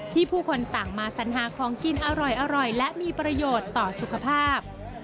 ผู้คนต่างมาสัญหาของกินอร่อยและมีประโยชน์ต่อสุขภาพ